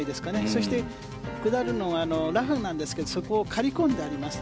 そして下るのがラフなんですがそこを刈り込んであります。